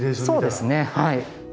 そうですねはい。